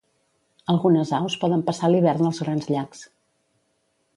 Algunes aus poden passar l'hivern als Grans Llacs.